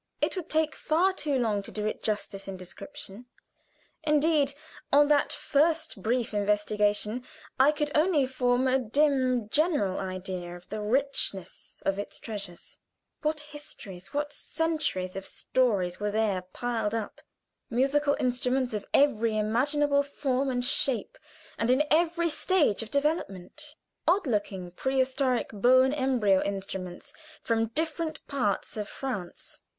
It would take far too long to do it justice in description; indeed, on that first brief investigation I could only form a dim general idea of the richness of its treasures. What histories what centuries of story were there piled up! Musical instruments of every imaginable form and shape, and in every stage of development. Odd looking pre historic bone embryo instruments from different parts of France.